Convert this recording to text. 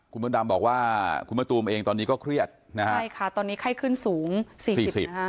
คุณมดดำบอกว่าคุณมะตูมเองตอนนี้ก็เครียดนะฮะใช่ค่ะตอนนี้ไข้ขึ้นสูงสี่สี่สิบฮะ